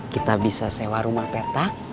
kita bisa sewa rumah petak